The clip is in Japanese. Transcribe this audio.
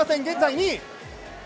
現在、２位。